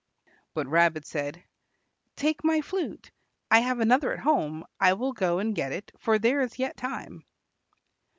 But Rabbit said, "Take my flute. I have another at home. I will go and get it, for there is yet time."